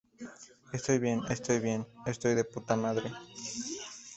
estoy bien. estoy muy bien, estoy de_puta_madre.